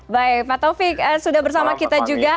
baik pak taufik sudah bersama kita juga